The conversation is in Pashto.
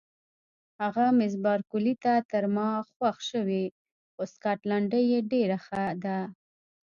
هغه مس بارکلي ته تر ما خوښ شوې، خو سکاټلنډۍ یې ډېره ښه ده.